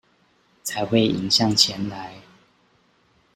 才會迎向前來